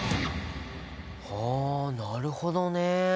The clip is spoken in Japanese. はなるほどね。